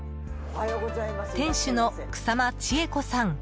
店主の草間千恵子さん。